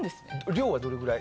量はどれくらい？